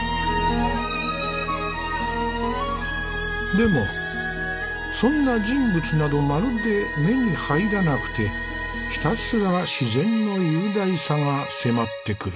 でもそんな人物などまるで目に入らなくてひたすら自然の雄大さが迫ってくる。